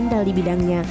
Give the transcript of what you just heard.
dan berkendali bidangnya